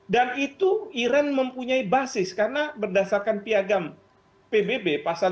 dan itu iran mempunyai basis karena berdasarkan piagam pbb pasal lima puluh satu